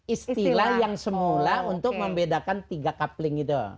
istilah yang semula untuk membedakan tiga coupling itu